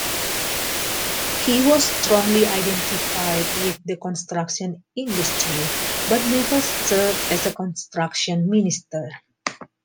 He was strongly identified with the construction industry but never served as construction minister.